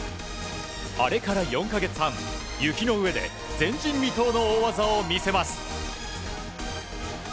あれから４か月半、雪の上で前人未到の大技を見せます。